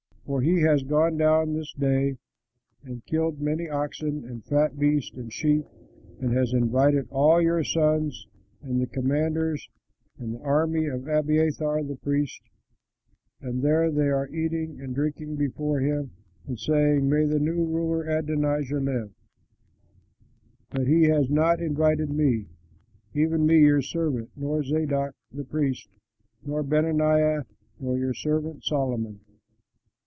For he has gone down this day and killed many oxen and fat beasts and sheep and has invited all your sons and the commanders of the army and Abiathar the priest; and there they are eating and drinking before him and saying, 'May the new ruler Adonijah live!' But he has not invited me, even me your servant, nor Zadok, the priest, nor Benaiah nor your servant Solomon.